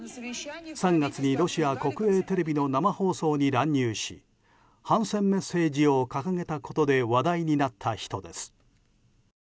３月にロシア国営テレビの生放送に乱入し反戦メッセージを掲げたことで話題になった人です。